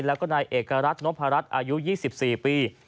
แล้วก็นายเอกรัฐนพรัชอายุ๒๔ปี